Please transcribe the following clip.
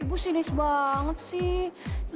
ibu sinis banget sih